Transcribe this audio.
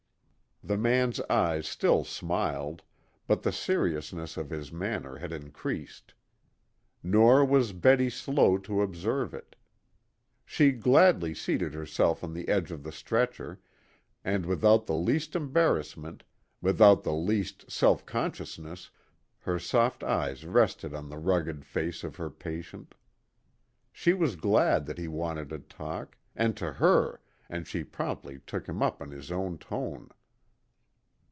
The man's eyes still smiled, but the seriousness of his manner had increased. Nor was Betty slow to observe it. She gladly seated herself on the edge of the stretcher, and without the least embarrassment, without the least self consciousness, her soft eyes rested on the rugged face of her patient. She was glad that he wanted to talk and to her, and she promptly took him up in his own tone.